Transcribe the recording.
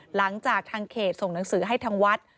หลังจากทางเขตส่งหนังสือให้ทางวัด